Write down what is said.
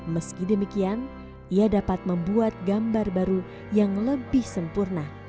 meski demikian ia dapat membuat gambar baru yang lebih sempurna